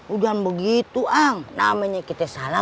udah begitu ang namanya kita salah